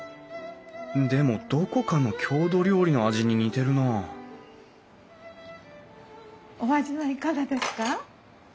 でもどこかの郷土料理の味に似てるなあお味はいかがですか？